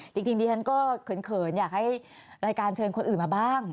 จริงดิฉันก็เขินอยากให้รายการเชิญคนอื่นมาบ้าง